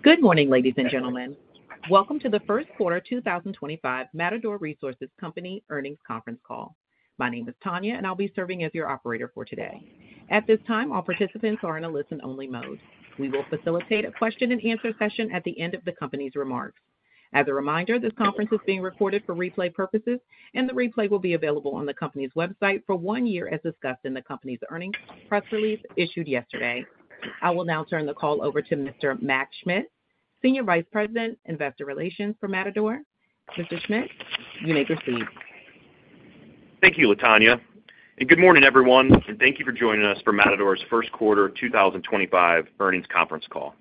Good morning, ladies and gentlemen. Welcome to the First Quarter 2025 Matador Resources Company earnings conference call. My name is Tanya, and I'll be serving as your operator for today. At this time, all participants are in a listen-only mode. We will facilitate a question-and-answer session at the end of the company's remarks. As a reminder, this conference is being recorded for replay purposes, and the replay will be available on the company's website for one year, as discussed in the company's earnings press release issued yesterday. I will now turn the call over to Mr. Mac Schmitz, Senior Vice President, Investor Relations for Matador. Mr. Schmitz, you may proceed. Thank you, Latanya. Good morning, everyone, and thank you for joining us for Matador's First Quarter 2025 Earnings Conference Call.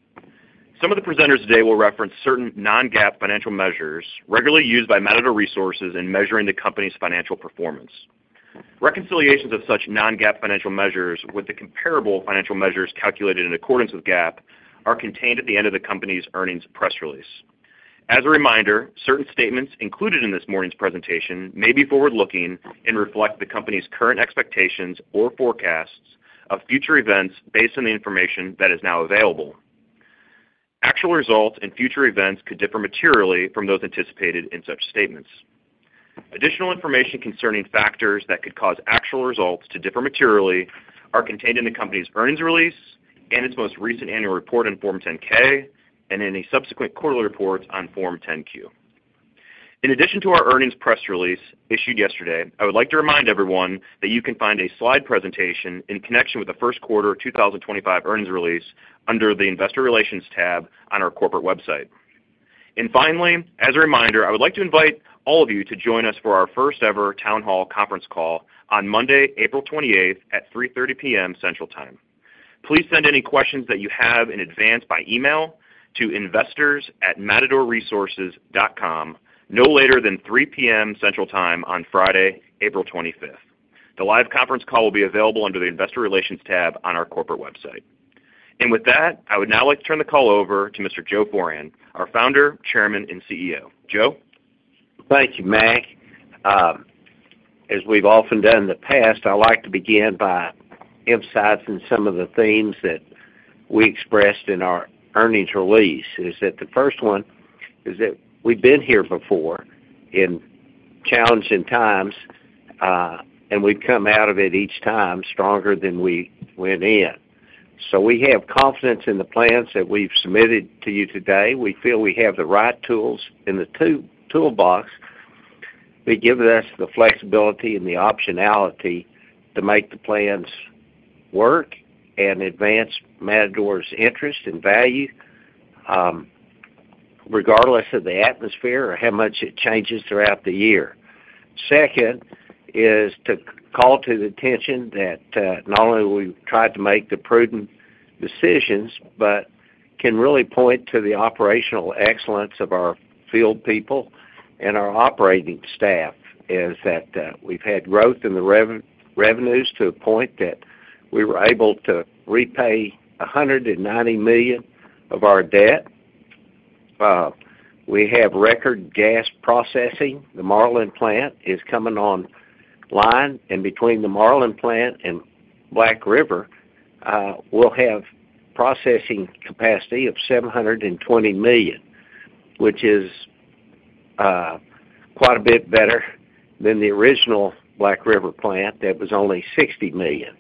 Some of the presenters today will reference certain non-GAAP financial measures regularly used by Matador Resources in measuring the company's financial performance. Reconciliations of such non-GAAP financial measures with the comparable financial measures calculated in accordance with GAAP are contained at the end of the company's earnings press release. As a reminder, certain statements included in this morning's presentation may be forward-looking and reflect the company's current expectations or forecasts of future events based on the information that is now available. Actual results and future events could differ materially from those anticipated in such statements. Additional information concerning factors that could cause actual results to differ materially are contained in the company's earnings release and its most recent annual report on Form 10-K and in the subsequent quarterly reports on Form 10-Q. In addition to our earnings press release issued yesterday, I would like to remind everyone that you can find a slide presentation in connection with the First Quarter 2025 earnings release under the Investor Relations tab on our corporate website. Finally, as a reminder, I would like to invite all of you to join us for our first-ever town hall conference call on Monday, April 28th, at 3:30 P.M. Central Time. Please send any questions that you have in advance by email to investors@matadorresources.com no later than 3:00 P.M. Central Time on Friday, April 25th. The live conference call will be available under the Investor Relations tab on our corporate website. With that, I would now like to turn the call over to Mr. Joe Foran, our Founder, Chairman, and CEO. Joe? Thank you, Mac. As we've often done in the past, I'd like to begin by emphasizing some of the themes that we expressed in our earnings release. The first one is that we've been here before in challenging times, and we've come out of it each time stronger than we went in. We have confidence in the plans that we've submitted to you today. We feel we have the right tools in the toolbox that give us the flexibility and the optionality to make the plans work and advance Matador's interest and value, regardless of the atmosphere or how much it changes throughout the year. Second is to call to the attention that not only have we tried to make the prudent decisions, but can really point to the operational excellence of our field people and our operating staff, is that we've had growth in the revenues to the point that we were able to repay $190 million of our debt. We have record gas processing. The Marlan plant is coming online. Between the Marlan plant and Black River, we'll have processing capacity of 720 million, which is quite a bit better than the original Black River plant that was only 60 million.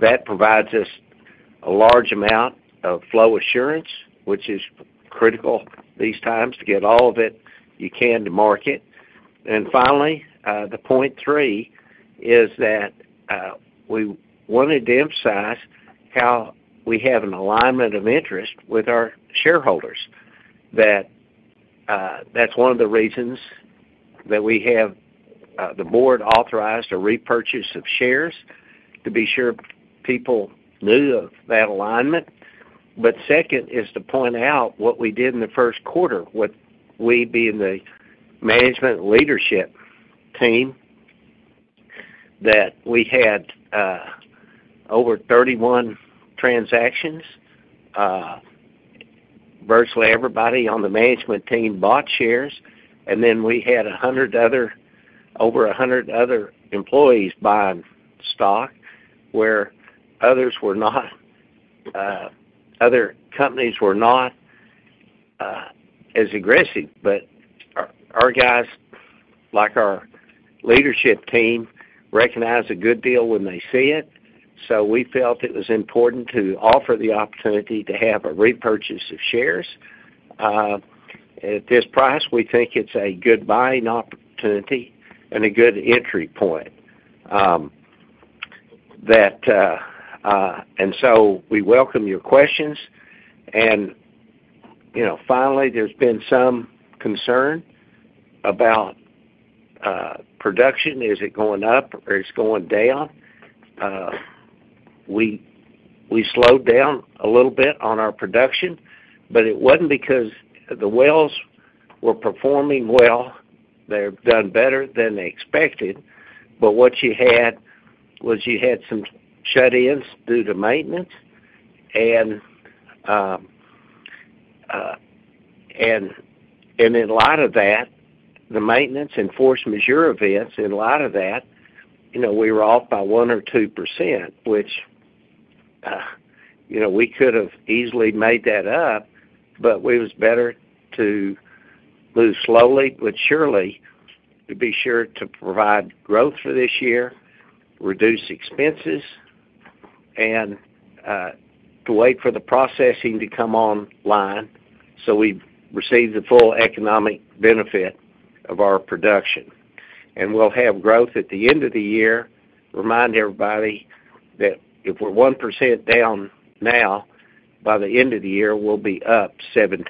That provides us a large amount of flow assurance, which is critical these times to get all of it you can to market. Finally, the point three is that we wanted to emphasize how we have an alignment of interest with our shareholders. That's one of the reasons that we have the board authorized a repurchase of shares to be sure people knew of that alignment. Second is to point out what we did in the first quarter with we being the management leadership team, that we had over 31 transactions. Virtually everybody on the management team bought shares. We had over 100 other employees buying stock, where other companies were not as aggressive. Our guys, like our leadership team, recognize a good deal when they see it. We felt it was important to offer the opportunity to have a repurchase of shares. At this price, we think it's a good buying opportunity and a good entry point. We welcome your questions. Finally, there's been some concern about production. Is it going up or is it going down? We slowed down a little bit on our production, but it wasn't because the wells were performing well. They've done better than they expected. What you had was you had some shut-ins due to maintenance. In light of that, the maintenance and force majeure events, in light of that, we were off by 1% or 2%, which we could have easily made that up. It was better to move slowly but surely to be sure to provide growth for this year, reduce expenses, and to wait for the processing to come online so we receive the full economic benefit of our production. We'll have growth at the end of the year. Remind everybody that if we're 1% down now, by the end of the year, we'll be up 17%.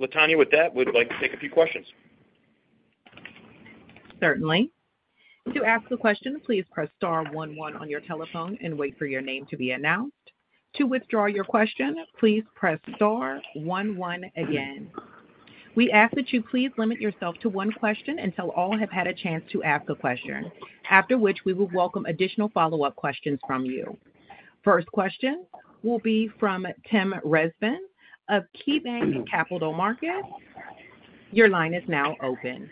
Latanya, with that, we'd like to take a few questions. Certainly. To ask a question, please press star one one on your telephone and wait for your name to be announced. To withdraw your question, please press star one one again. We ask that you please limit yourself to one question until all have had a chance to ask a question, after which we will welcome additional follow-up questions from you. First question will be from Tim Rezvan of KeyBanc Capital Markets. Your line is now open.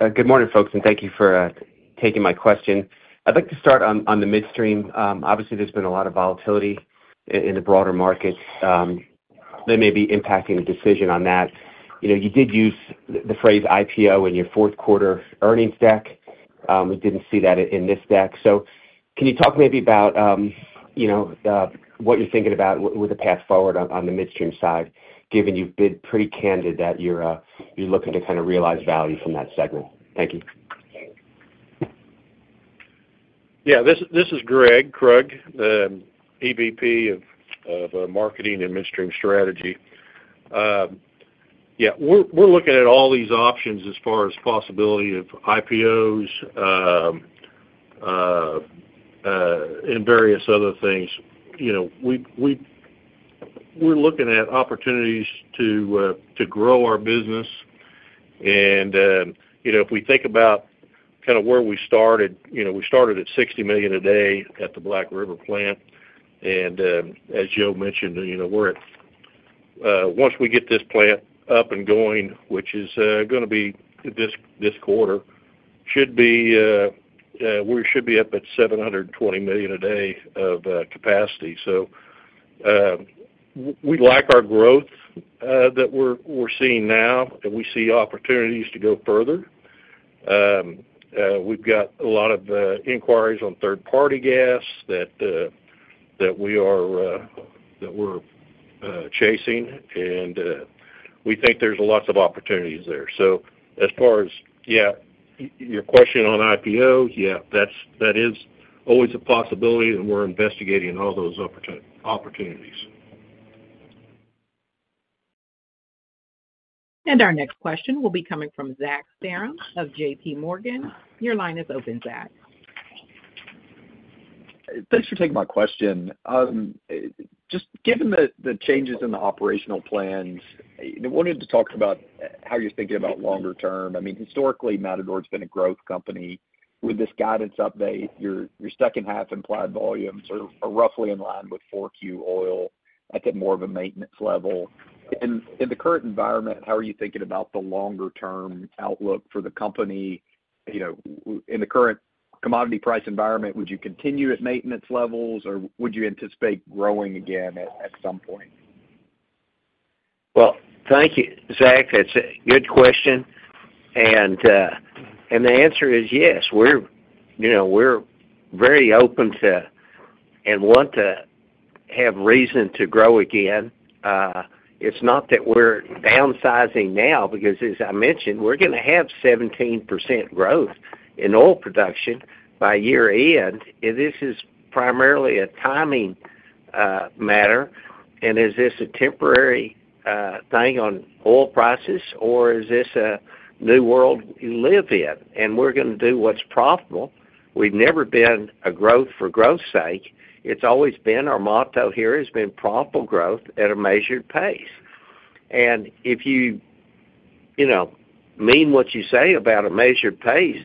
Good morning, folks, and thank you for taking my question. I'd like to start on the midstream. Obviously, there's been a lot of volatility in the broader markets that may be impacting the decision on that. You did use the phrase IPO in your fourth quarter earnings deck. We didn't see that in this deck. Can you talk maybe about what you're thinking about with the path forward on the midstream side, given you've been pretty candid that you're looking to kind of realize value from that segment? Thank you. Yeah. This is Gregg Krug, the EVP of Marketing and Midstream Strategy. Yeah. We're looking at all these options as far as possibility of IPOs and various other things. We're looking at opportunities to grow our business. If we think about kind of where we started, we started at 60 million a day at the Black River plant. As Joe mentioned, once we get this plant up and going, which is going to be this quarter, we should be up at 720 million a day of capacity. We like our growth that we're seeing now, and we see opportunities to go further. We've got a lot of inquiries on third-party gas that we're chasing. We think there's lots of opportunities there. As far as, yeah, your question on IPO, yeah, that is always a possibility, and we're investigating all those opportunities. Our next question will be coming from Zach Parham of JPMorgan. Your line is open, Zach. Thanks for taking my question. Just given the changes in the operational plans, I wanted to talk about how you're thinking about longer term. I mean, historically, Matador has been a growth company. With this guidance update, your second half implied volumes are roughly in line with 4Q oil at more of a maintenance level. In the current environment, how are you thinking about the longer-term outlook for the company? In the current commodity price environment, would you continue at maintenance levels, or would you anticipate growing again at some point? Thank you, Zach. That's a good question. The answer is yes. We're very open to and want to have reason to grow again. It's not that we're downsizing now because, as I mentioned, we're going to have 17% growth in oil production by year-end. This is primarily a timing matter. Is this a temporary thing on oil prices, or is this a new world we live in? We're going to do what's profitable. We've never been a growth for growth's sake. It's always been our motto here has been profitable growth at a measured pace. If you mean what you say about a measured pace,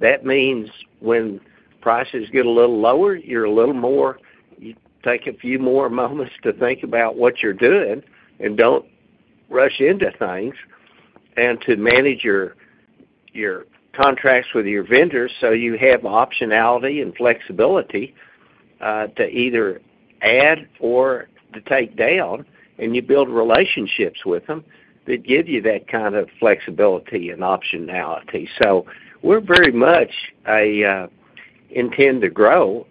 that means when prices get a little lower, you're a little more, you take a few more moments to think about what you're doing and do not rush into things and to manage your contracts with your vendors so you have optionality and flexibility to either add or to take down. You build relationships with them that give you that kind of flexibility and optionality. We very much intend to grow.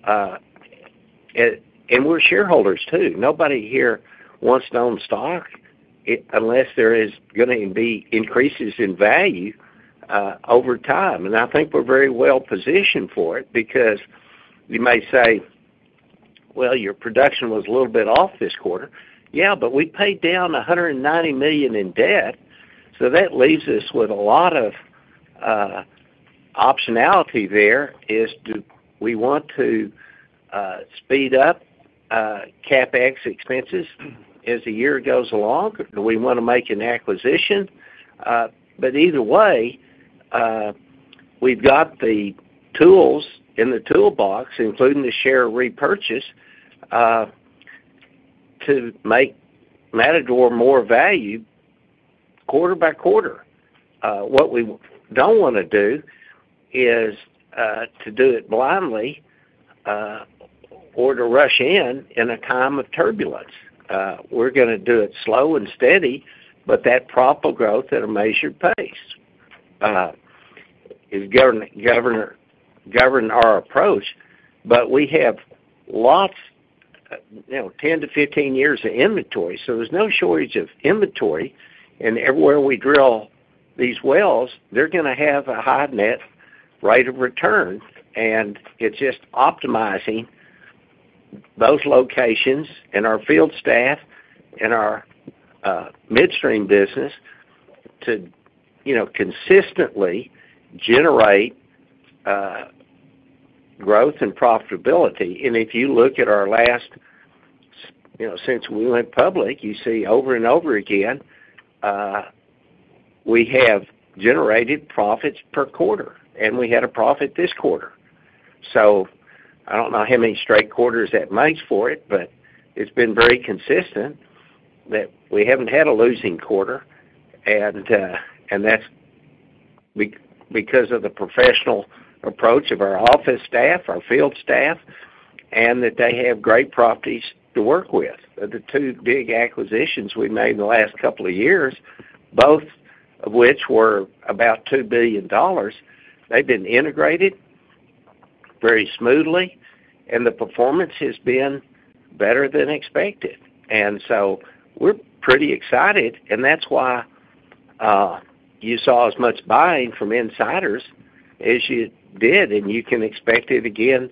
We are shareholders, too. Nobody here wants to own stock unless there is going to be increases in value over time. I think we are very well positioned for it because you may say, "Well, your production was a little bit off this quarter." Yeah, but we paid down $190 million in debt. That leaves us with a lot of optionality there. We want to speed up CapEx expenses as the year goes along. We want to make an acquisition. Either way, we've got the tools in the toolbox, including the share repurchase, to make Matador more value quarter by quarter. What we don't want to do is to do it blindly or to rush in in a time of turbulence. We're going to do it slow and steady, but that profitable growth at a measured pace is governing our approach. We have lots 10-15 years of inventory, so there's no shortage of inventory. Everywhere we drill these wells, they're going to have a high net rate of return. It's just optimizing those locations and our field staff and our midstream business to consistently generate growth and profitability. If you look at our last since we went public, you see over and over again, we have generated profits per quarter, and we had a profit this quarter. I do not know how many straight quarters that makes for it, but it has been very consistent that we have not had a losing quarter. That is because of the professional approach of our office staff, our field staff, and that they have great properties to work with. The two big acquisitions we made in the last couple of years, both of which were about $2 billion, they have been integrated very smoothly, and the performance has been better than expected. We are pretty excited. That is why you saw as much buying from insiders as you did, and you can expect it again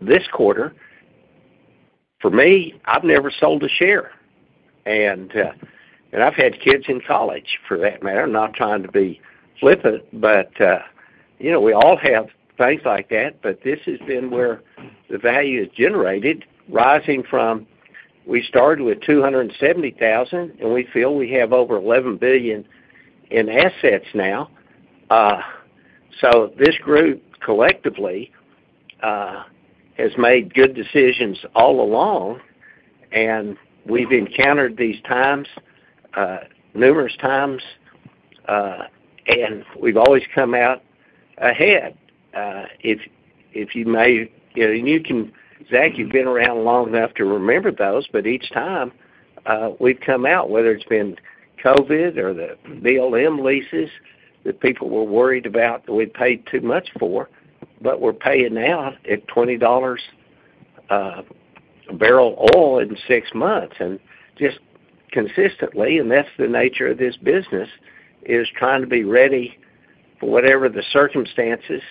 this quarter. For me, I have never sold a share. I've had kids in college, for that matter. I'm not trying to be flippant, but we all have things like that. This has been where the value is generated, rising from we started with $270,000, and we feel we have over $11 billion in assets now. This group collectively has made good decisions all along. We've encountered these times numerous times, and we've always come out ahead. If you may, and you can, Zach, you've been around long enough to remember those. Each time we've come out, whether it's been COVID or the BLM leases that people were worried about that we paid too much for, but we're paying now at $20 a barrel oil in six months. Just consistently, that's the nature of this business, trying to be ready for whatever the circumstances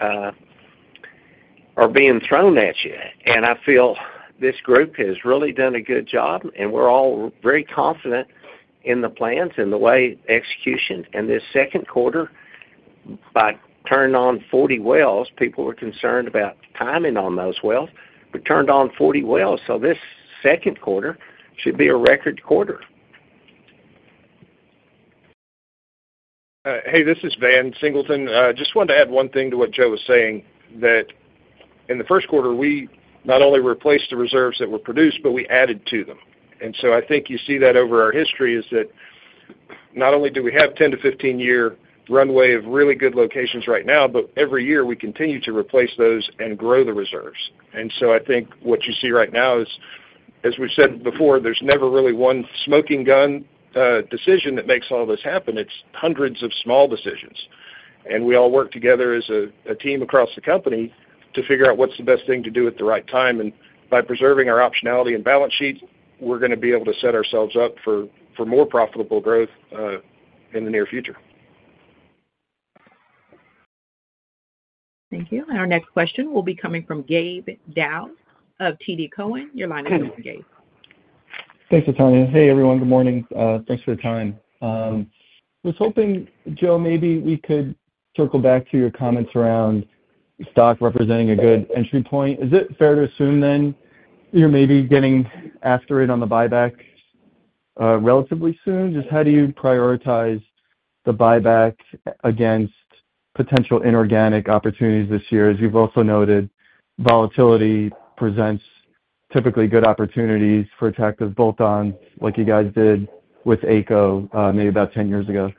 are being thrown at you. I feel this group has really done a good job. We are all very confident in the plans and the way execution. This second quarter, by turning on 40 wells, people were concerned about timing on those wells. We turned on 40 wells. This second quarter should be a record quarter. Hey, this is Van Singleton. Just wanted to add one thing to what Joe was saying, that in the first quarter, we not only replaced the reserves that were produced, but we added to them. I think you see that over our history is that not only do we have a 10-15 year runway of really good locations right now, but every year we continue to replace those and grow the reserves. I think what you see right now is, as we've said before, there's never really one smoking gun decision that makes all this happen. It's hundreds of small decisions. We all work together as a team across the company to figure out what's the best thing to do at the right time. By preserving our optionality and balance sheet, we're going to be able to set ourselves up for more profitable growth in the near future. Thank you. Our next question will be coming from Gabe Daoud of TD Cowen. Your line is open, Gabe. Thanks, Latanya. Hey, everyone. Good morning. Thanks for the time. I was hoping, Joe, maybe we could circle back to your comments around stock representing a good entry point. Is it fair to assume then you're maybe getting after it on the buyback relatively soon? Just how do you prioritize the buyback against potential inorganic opportunities this year? As you've also noted, volatility presents typically good opportunities for attractive bolt-ons like you guys did with HEYCO maybe about 10 years ago.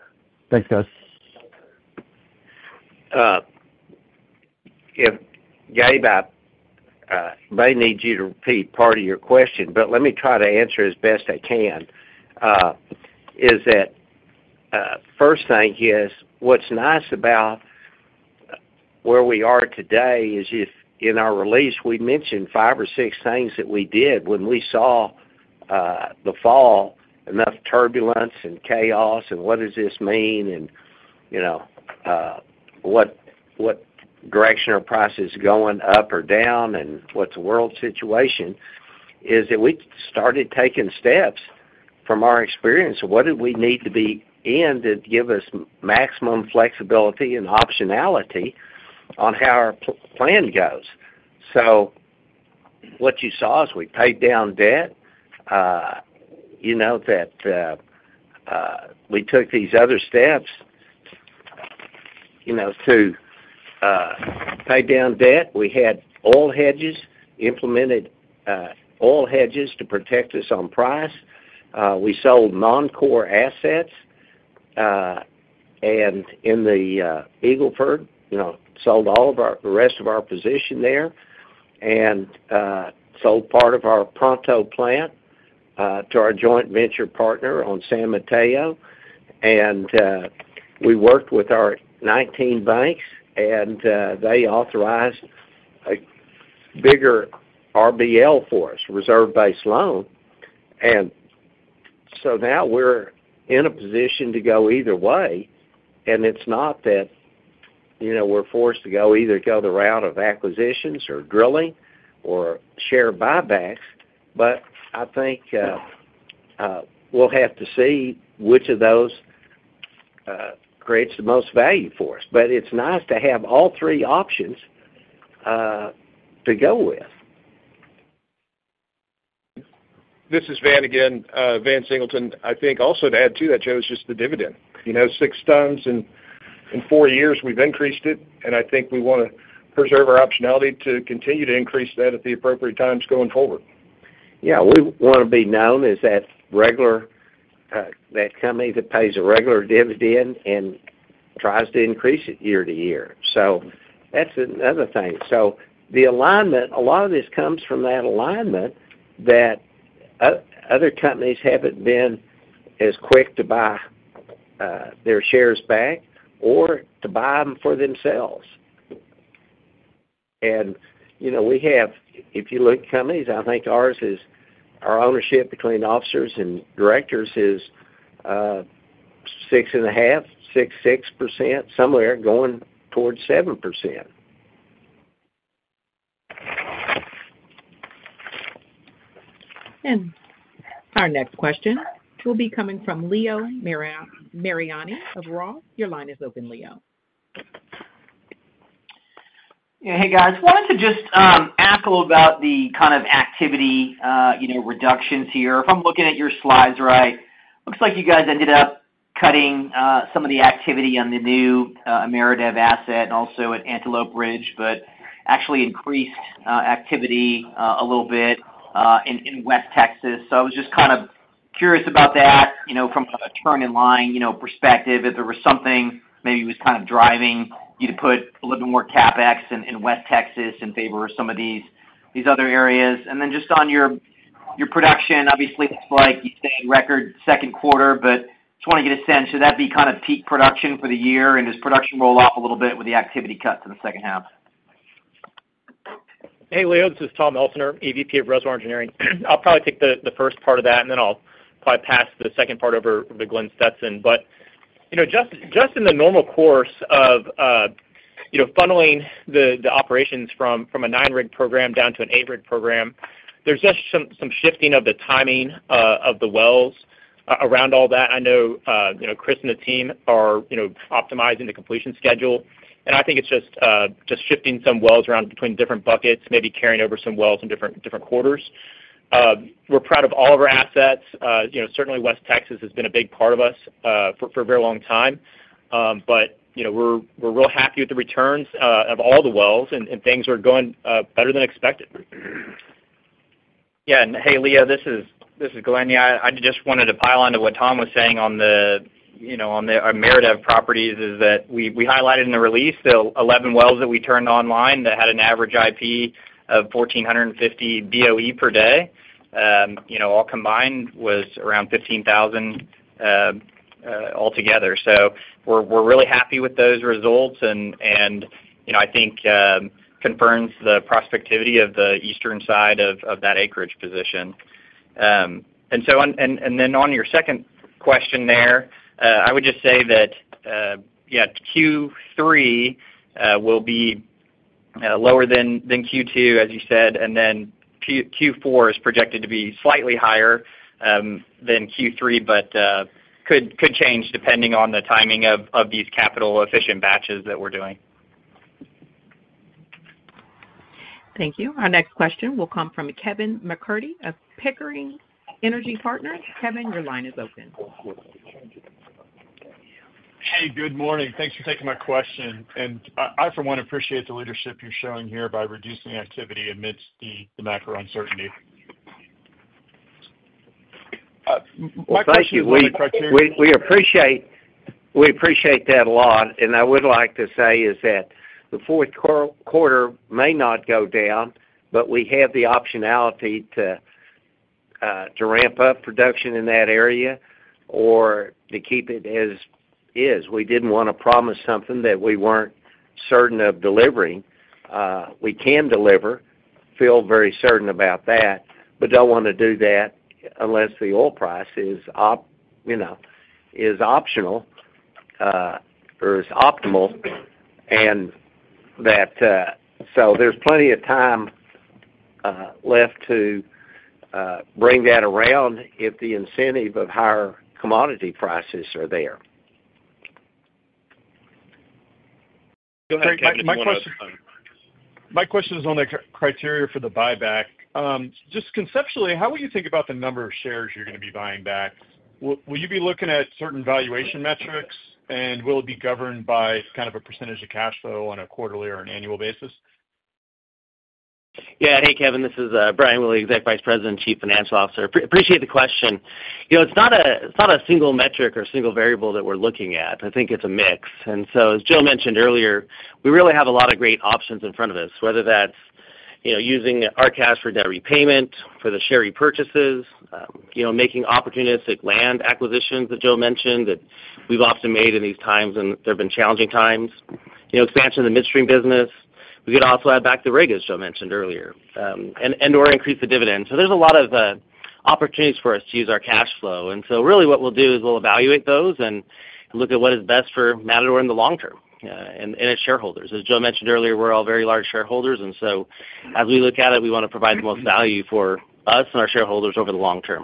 Thanks, guys. Yeah. Gabe, I may need you to repeat part of your question, but let me try to answer as best I can. The first thing is what's nice about where we are today is if in our release, we mentioned five or six things that we did when we saw the fall, enough turbulence and chaos, and what does this mean, and what direction are prices going, up or down, and what's the world situation, is that we started taking steps from our experience. What do we need to be in to give us maximum flexibility and optionality on how our plan goes? You saw we paid down debt. You know that we took these other steps to pay down debt. We had oil hedges implemented, oil hedges to protect us on price. We sold non-core assets. In the Eagle Ford, sold all of the rest of our position there and sold part of our Pronto plant to our joint venture partner on San Mateo. We worked with our 19 banks, and they authorized a bigger RBL for us, reserve-based loan. Now we're in a position to go either way. It's not that we're forced to go either go the route of acquisitions or drilling or share buybacks. I think we'll have to see which of those creates the most value for us. It's nice to have all three options to go with. This is Van again, Van Singleton. I think also to add to that, Joe is just the dividend. Six times in four years, we've increased it. I think we want to preserve our optionality to continue to increase that at the appropriate times going forward. Yeah. We want to be known as that company that pays a regular dividend and tries to increase it year to year. That is another thing. The alignment, a lot of this comes from that alignment that other companies have not been as quick to buy their shares back or to buy them for themselves. We have, if you look at companies, I think ours is our ownership between officers and directors is 6.5%, 6%, somewhere going towards 7%. Our next question will be coming from Leo Mariani of Roth. Your line is open, Leo. Hey, guys. I wanted to just ask a little about the kind of activity reductions here. If I'm looking at your slides right, it looks like you guys ended up cutting some of the activity on the new Ameredev asset and also at Antelope Ridge, but actually increased activity a little bit in West Texas. I was just kind of curious about that from a turn-in line perspective, if there was something maybe was kind of driving you to put a little bit more CapEx in West Texas in favor of some of these other areas. Then just on your production, obviously, it's like you said, record second quarter, but just want to get a sense. Should that be kind of peak production for the year? Does production roll off a little bit with the activity cut to the second half? Hey, Leo. This is Tom Elsener, EVP of Reservoir Engineering. I'll probably take the first part of that, and then I'll probably pass the second part over to Glenn Stetson. Just in the normal course of funneling the operations from a nine-rig program down to an eight-rig program, there's just some shifting of the timing of the wells around all that. I know Chris and the team are optimizing the completion schedule. I think it's just shifting some wells around between different buckets, maybe carrying over some wells in different quarters. We're proud of all of our assets. Certainly, West Texas has been a big part of us for a very long time. We're real happy with the returns of all the wells, and things are going better than expected. Yeah. Hey, Leo, this is Glenn. I just wanted to pile on to what Tom was saying on the Ameredev properties is that we highlighted in the release the 11 wells that we turned online that had an average IP of 1,450 BOE per day. All combined was around 15,000 BOE/D altogether. We are really happy with those results, and I think confirms the prospectivity of the eastern side of that acreage position. On your second question there, I would just say that, yeah, Q3 will be lower than Q2, as you said. Q4 is projected to be slightly higher than Q3, but could change depending on the timing of these capital-efficient batches that we are doing. Thank you. Our next question will come from Kevin MacCurdy of Pickering Energy Partners. Kevin, your line is open. Hey, good morning. Thanks for taking my question. I, for one, appreciate the leadership you're showing here by reducing activity amidst the macro uncertainty. Thank you. We appreciate that a lot. I would like to say is that the fourth quarter may not go down, but we have the optionality to ramp up production in that area or to keep it as is. We did not want to promise something that we were not certain of delivering. We can deliver, feel very certain about that, but do not want to do that unless the oil price is optional or is optimal. There is plenty of time left to bring that around if the incentive of higher commodity prices are there. My question is on the criteria for the buyback. Just conceptually, how would you think about the number of shares you're going to be buying back? Will you be looking at certain valuation metrics, and will it be governed by kind of a percentage of cash flow on a quarterly or an annual basis? Yeah. Hey, Kevin. This is Brian Willey, Executive Vice President, Chief Financial Officer. Appreciate the question. It's not a single metric or single variable that we're looking at. I think it's a mix. As Joe mentioned earlier, we really have a lot of great options in front of us, whether that's using our cash for debt repayment, for the share repurchases, making opportunistic land acquisitions that Joe mentioned that we've often made in these times when there have been challenging times, expansion of the midstream business. We could also add back the rig as Joe mentioned earlier, and/or increase the dividend. There are a lot of opportunities for us to use our cash flow. What we'll do is we'll evaluate those and look at what is best for Matador in the long term and its shareholders. As Joe mentioned earlier, we're all very large shareholders. As we look at it, we want to provide the most value for us and our shareholders over the long term.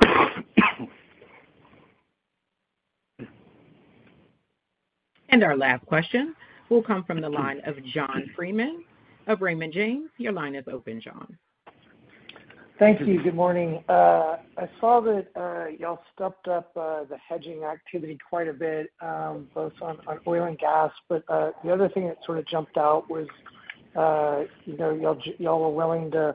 Our last question will come from the line of John Freeman of Raymond James. Your line is open, John. Thank you. Good morning. I saw that y'all stepped up the hedging activity quite a bit, both on oil and gas. The other thing that sort of jumped out was y'all were willing to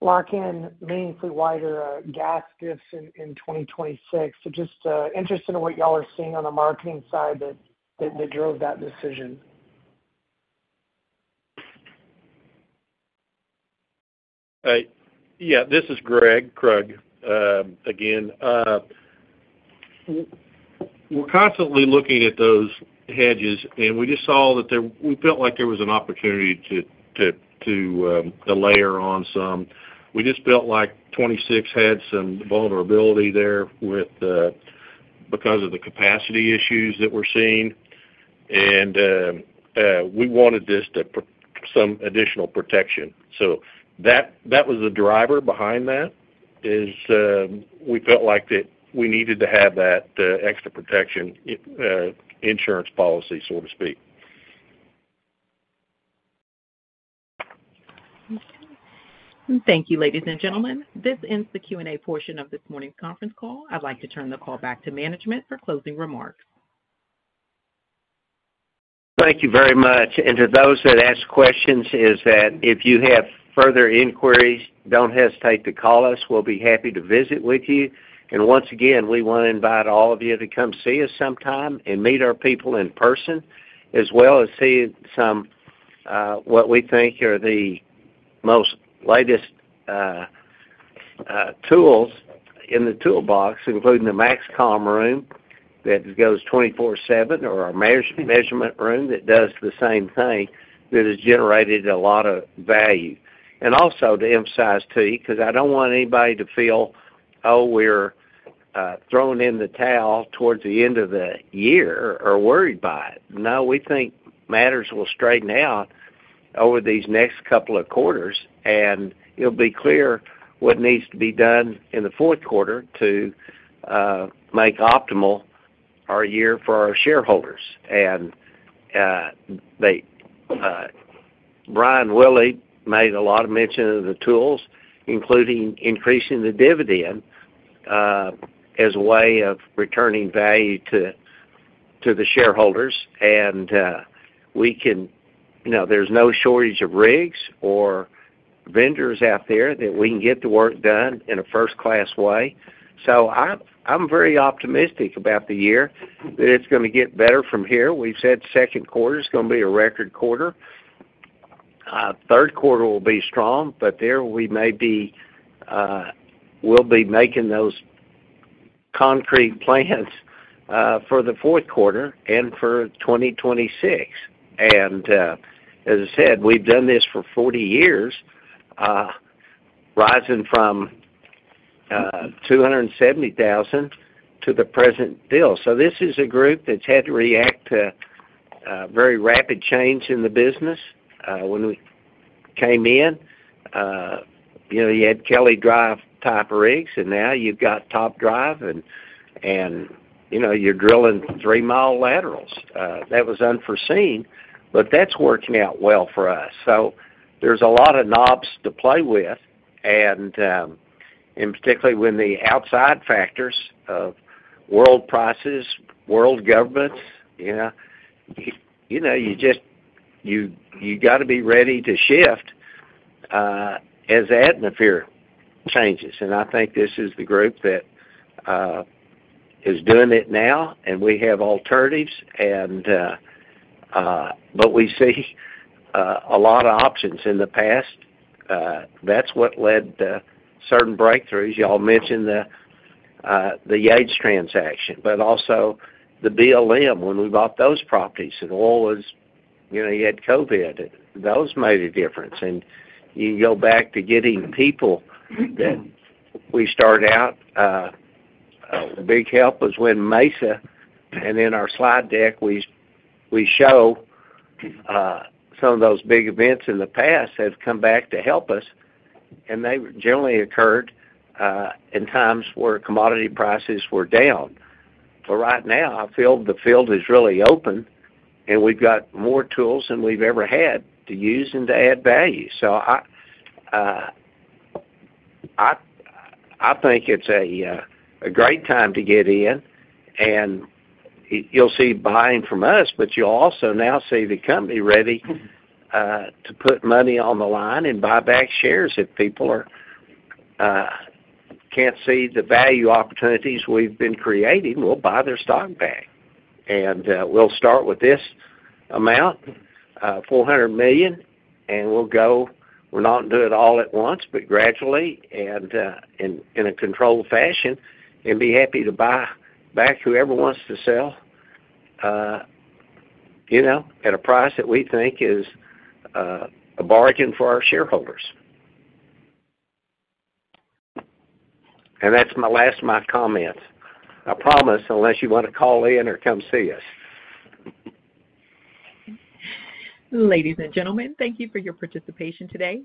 lock in meaningfully wider gas diffs in 2026. Just interested in what y'all are seeing on the marketing side that drove that decision. Yeah. This is Gregg Krug again. We're constantly looking at those hedges, and we just saw that we felt like there was an opportunity to layer on some. We just felt like 26 had some vulnerability there because of the capacity issues that we're seeing. We wanted just some additional protection. That was the driver behind that, is we felt like that we needed to have that extra protection insurance policy, so to speak. Thank you, ladies and gentlemen. This ends the Q&A portion of this morning's conference call. I'd like to turn the call back to management for closing remarks. Thank you very much. To those that asked questions, if you have further inquiries, do not hesitate to call us. We will be happy to visit with you. Once again, we want to invite all of you to come see us sometime and meet our people in person, as well as see some of what we think are the most latest tools in the toolbox, including the MAXCOM room that goes 24/7, or our measurement room that does the same thing, that has generated a lot of value. Also to emphasize to you, because I don't want anybody to feel, "Oh, we're throwing in the towel towards the end of the year or worried by it." No, we think matters will straighten out over these next couple of quarters, and it'll be clear what needs to be done in the fourth quarter to make optimal our year for our shareholders. Brian Willey made a lot of mention of the tools, including increasing the dividend as a way of returning value to the shareholders. There is no shortage of rigs or vendors out there that we can get the work done in a first-class way. I am very optimistic about the year. It's going to get better from here. We've said second quarter is going to be a record quarter. Third quarter will be strong, but we may be making those concrete plans for the fourth quarter and for 2026. As I said, we've done this for 40 years, rising from $270,000 to the present deal. This is a group that's had to react to very rapid change in the business. When we came in, you had Kelly Drive type rigs, and now you've got Top Drive, and you're drilling three-mile laterals. That was unforeseen, but that's working out well for us. There are a lot of knobs to play with, particularly when the outside factors of world prices, world governments, you just you got to be ready to shift as the atmosphere changes. I think this is the group that is doing it now, and we have alternatives. We see a lot of options in the past. That's what led to certain breakthroughs. Y'all mentioned the Yates transaction, but also the BLM when we bought those properties. And oil was you had COVID. Those made a difference. You go back to getting people that we start out. Big help was when Mesa and then our slide deck, we show some of those big events in the past have come back to help us. They generally occurred in times where commodity prices were down. Right now, I feel the field is really open, and we've got more tools than we've ever had to use and to add value. I think it's a great time to get in. You'll see buying from us, but you'll also now see the company ready to put money on the line and buy back shares. If people can't see the value opportunities we've been creating, we'll buy their stock back. We'll start with this amount, $400 million, and we're not doing it all at once, but gradually and in a controlled fashion, and be happy to buy back whoever wants to sell at a price that we think is a bargain for our shareholders. That's my last of my comments. I promise unless you want to call in or come see us. Ladies and gentlemen, thank you for your participation today.